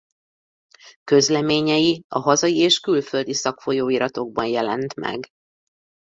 Közleményei a hazai és külföldi szakfolyóiratokban jelent meg.